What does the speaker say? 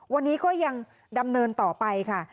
วันนี้ก็ยังดำเนินต่อไปค่ะ